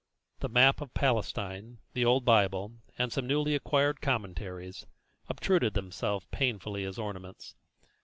The map of Palestine, the old Bible, and some newly acquired commentaries, obtruded themselves painfully as ornaments.